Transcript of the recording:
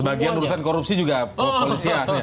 sebagian urusan korupsi juga polisian